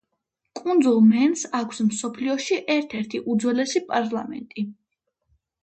კუნძულ მენს აქვს მსოფლიოში ერთ-ერთი უძველესი პარლამენტი.